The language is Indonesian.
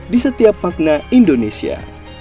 di setiap makna indonesia